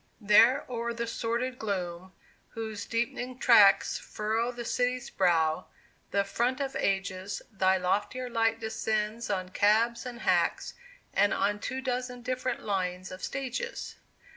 There o'er the sordid gloom, whose deep'ning tracks Furrow the city's brow, the front of ages, Thy loftier light descends on cabs and hacks, And on two dozen different lines of stages!